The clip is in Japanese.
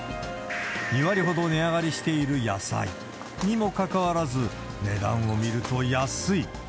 ２割ほど値上がりしている野菜。にもかかわらず、値段を見ると安い。